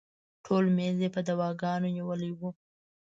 ټول میز یې په دواګانو نیولی و.